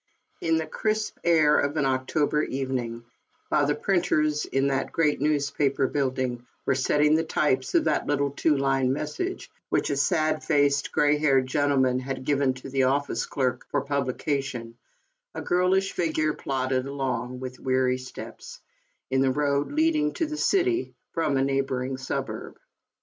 In the crisp air of an October evening, while the printers in that great newspaper building were setting the types of that little two line message, which a sad faced, gray haired gentleman had given to the office clerk for publication, a girl ish figure plodded along, with weary steps, in the road leading to the city from a neighboring suburb.